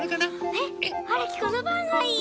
えっはるきこのパンがいい！